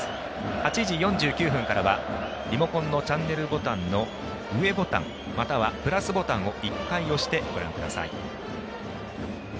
８時４９分からはリモコンのチャンネルボタンの上ボタンまたはプラスボタンを１回押してご覧ください。